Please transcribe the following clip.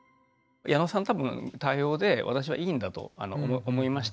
矢野さんの多分対応で私はいいんだと思いました。